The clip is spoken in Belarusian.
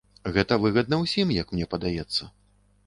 Гэта выгадна ўсім, як мне падаецца.